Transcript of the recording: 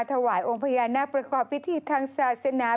ถวายองค์พญานาคประกอบพิธีทางศาสนา